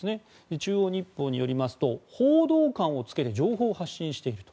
中央日報によりますと報道官をつけて情報を発信していると。